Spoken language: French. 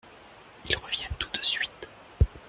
Ils reviennent tout de suite.